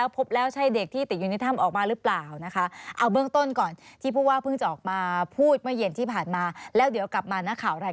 พบแล้วใช่เด็กที่ติดอยู่ในถ้ำออกมาหรือเปล่านะคะ